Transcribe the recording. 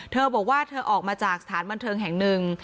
เธอบอกว่าเธอออกมาจากสถานบันเทิงแห่งหนึ่ง